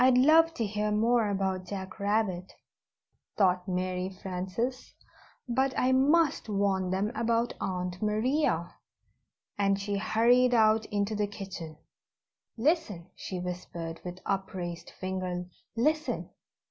] "My, I'd love to hear more about the Jack Rabbit," thought Mary Frances, "but I must warn them about Aunt Maria"; and she hurried out into the kitchen. "Listen!" she whispered, with upraised finger. "Listen!